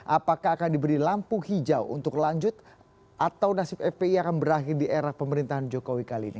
apakah akan diberi lampu hijau untuk lanjut atau nasib fpi akan berakhir di era pemerintahan jokowi kali ini